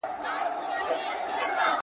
ژړي پاڼي به دي یو په یو توییږي !.